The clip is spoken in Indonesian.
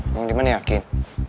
yang dimana yakin